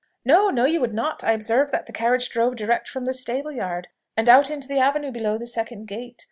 "No, no, you would not: I observed that the carriage drove direct from the stable yard, and out into the avenue below the second gate.